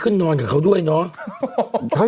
ขออีกทีอ่านอีกที